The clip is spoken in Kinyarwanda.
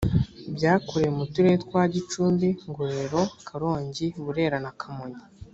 byakorewe mu turere twa gicumbi , ngororero, karongi , burera na kamonyi